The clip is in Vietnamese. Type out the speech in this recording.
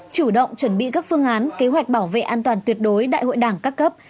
chủ động chuẩn bị các phương án kế hoạch bảo vệ an toàn tuyệt đối đại hội đảng các cấp